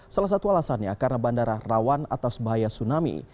salah satu alasannya karena bandara rawan atas bahaya tsunami